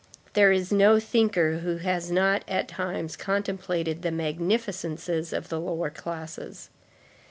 There is no thinker who has not at times contemplated the magnificences of the lower classes.